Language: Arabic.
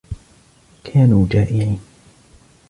كانوا جائعين.